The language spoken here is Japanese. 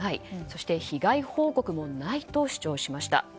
そして被害報告もないと主張しました。